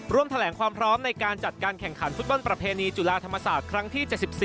ร่วมแถลงความพร้อมในการจัดการแข่งขันฟุตบอลประเพณีจุฬาธรรมศาสตร์ครั้งที่๗๔